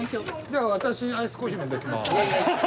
じゃあ私アイスコーヒー飲んできます。